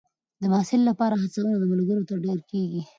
د محصل لپاره هڅونه د ملګرو نه ډېره کېږي.